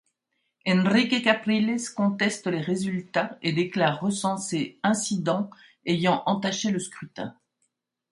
Henrique Capriles conteste les résultats et déclare recenser incidents ayant entaché le scrutin.